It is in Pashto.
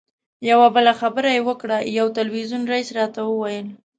یوه بله خبره یې وکړه یو تلویزیون رییس راته وویل.